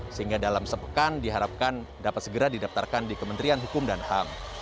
sehingga dalam sepekan diharapkan dapat segera didaftarkan di kementerian hukum dan ham